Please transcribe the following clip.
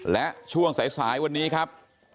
และช่วงสายวันนี้ครับ